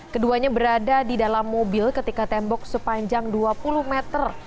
keduanya berada di dalam mobil ketika tembok sepanjang dua puluh meter